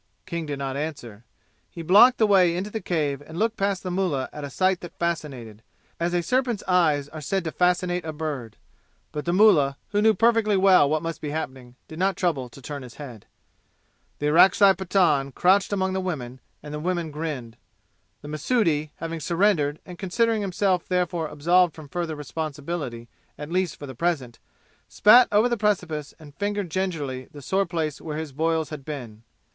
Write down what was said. King did not answer. He blocked the way into the cave and looked past the mullah at a sight that fascinated, as a serpent's eyes are said to fascinate a bird. But the mullah, who knew perfectly well what must be happening, did not trouble to turn his head. The Orakzai Pathan crouched among the women, and the women grinned. The Mahsudi, having surrendered and considering himself therefore absolved from further responsibility at least for the present, spat over the precipice and fingered gingerly the sore place where his boils had been.